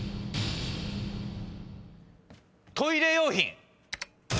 トイレ用品。